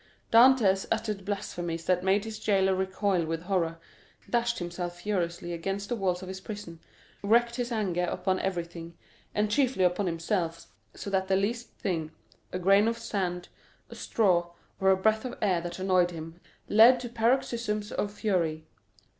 Dantès uttered blasphemies that made his jailer recoil with horror, dashed himself furiously against the walls of his prison, wreaked his anger upon everything, and chiefly upon himself, so that the least thing,—a grain of sand, a straw, or a breath of air that annoyed him, led to paroxysms of fury.